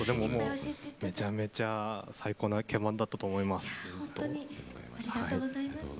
めちゃめちゃ最高な鍵盤だったと思います。